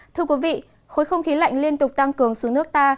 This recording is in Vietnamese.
thưa quý vị khối không khí lạnh liên tục tăng cường xuống nước ta